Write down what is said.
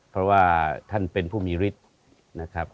เพราะว่าท่านเป็นผู้มีฤทธิ์นะครับ